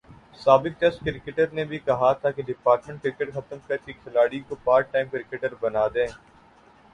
سابق test cricketer نے بھی کہا تھا کہ ڈپارٹمنٹ کرکٹ ختم کر کے کھلاڑیوں کو پارٹ ٹائم کرکٹر بنادیا ہے۔